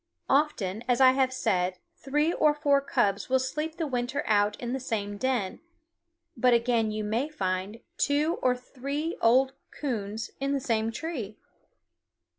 Often, as I have said, three or four cubs will sleep the winter out in the same den; but again you may find two or three old coons in the same tree.